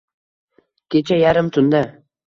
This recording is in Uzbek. Kecha yarim tunda